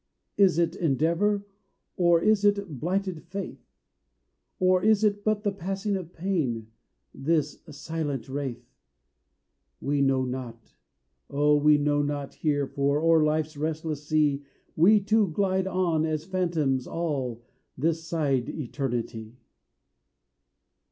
is it endeavor, or is it blighted faith? Or is it but the passing of pain this silent wraith? We know not, oh, we know not here, for o'er Life's restless sea We too glide on, as phantoms all, this side Eternity!